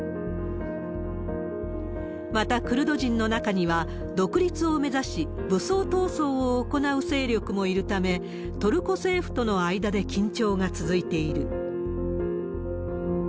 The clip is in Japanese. また、クルド人の中には独立を目指し、武装闘争を行う勢力もいるため、トルコ政府との間で緊張が続いている。